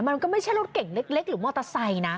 มันก็ไม่ใช่รถเก่งเล็กหรือมอเตอร์ไซค์นะ